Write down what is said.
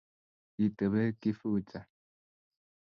Kitebe Kifuja